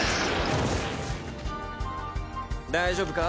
大丈夫か？